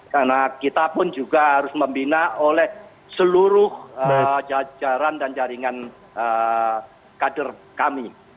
karena kita pun juga harus membina oleh seluruh jajaran dan jaringan kader kami